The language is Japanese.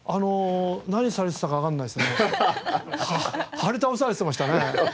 張り倒されてましたね。